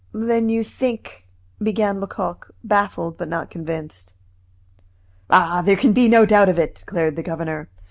"Then you think " began Lecoq, baffled but not convinced. "Ah! there can be no doubt of it," declared the governor.